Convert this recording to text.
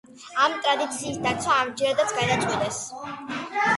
ამ ტრადიციის დაცვა ამჯერადაც გადაწყვიტეს.